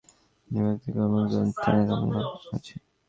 ছাগল চুরির ঘটনায় আটক পাঁচ ব্যক্তির বিরুদ্ধে কমলগঞ্জ থানায় মামলা হয়েছে।